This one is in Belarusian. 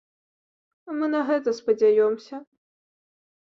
Мы на гэта спадзяёмся.